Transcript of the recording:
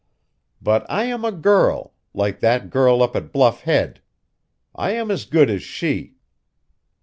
But I am a girl, like that girl up at Bluff Head! I am as good as she!"